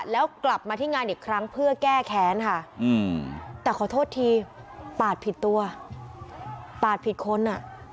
แล้วกลับมาที่งานอีกครั้งเพื่อแก้แค้นค่ะแต่ขอโทษทีปาดผิดตัวปาดผิดคนอ่ะ